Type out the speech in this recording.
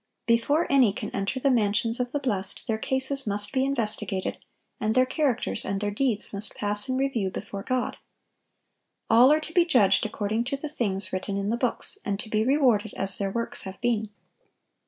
Before any can enter the mansions of the blest, their cases must be investigated, and their characters and their deeds must pass in review before God. All are to be judged according to the things written in the books, and to be rewarded as their works have been.